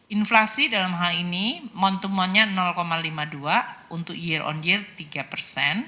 inflasi dalam hal ini montemunnya lima puluh dua untuk year on year tiga